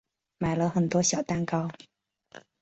买了很多小蛋糕